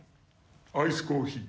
アイスコーヒー。